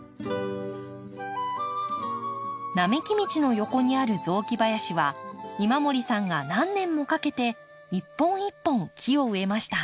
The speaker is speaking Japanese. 並木道の横にある雑木林は今森さんが何年もかけて一本一本木を植えました。